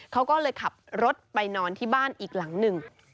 เขาก็เลยขับรถไปนอนที่บ้านอีกหลังหนึ่ง